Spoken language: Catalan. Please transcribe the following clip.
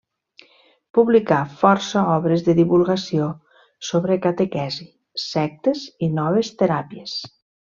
Publicà força obres de divulgació sobre catequesi, sectes i noves teràpies.